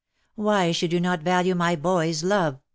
^'Why should you not value my boy's love?''